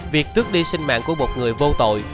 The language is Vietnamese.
việc tước đi sinh mạng của một người vô tội